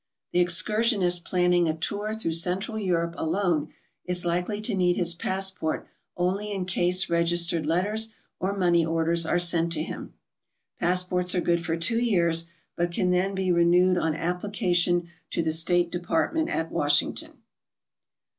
The excursionist planning a tour through Central Eu rope alone is likely to need his passport only in case regis tered letters or money orders are sent to him. Passports are good for two years, but can then be renewed on application to the State Department at Wash ington.